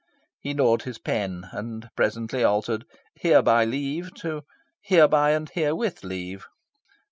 He gnawed his pen, and presently altered the "hereby leave" to "hereby and herewith leave."